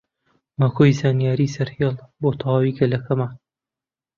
مەکۆی زانیاری سەرهێڵ بۆ تەواوی گەلەکەمان